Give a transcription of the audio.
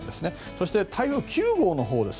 そして、台風９号のほうです。